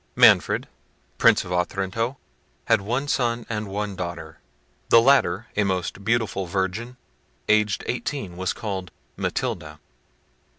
Manfred, Prince of Otranto, had one son and one daughter: the latter, a most beautiful virgin, aged eighteen, was called Matilda.